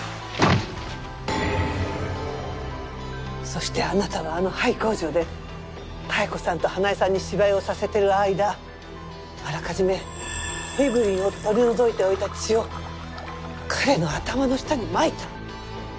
そしてあなたはあの廃工場で妙子さんと花絵さんに芝居をさせている間あらかじめフィブリンを取り除いておいた血を彼の頭の下にまいた。